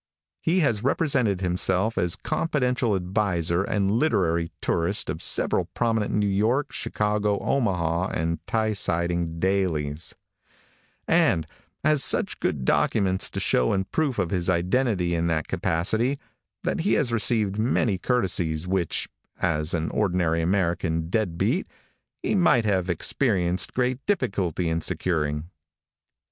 He has represented himself as confidential adviser and literary tourist of several prominent New York, Chicago, Omaha and Tie Siding dailies, and had such good documents to show in proof of his identity in that capacity that he has received many courtesies which, as an ordinary American dead beat, he might have experienced great difficulty in securing.